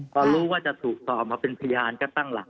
พอรู้ว่าจะถูกต่อมาเป็นพยานก็ตั้งหลัก